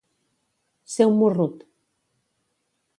Ser un morrut.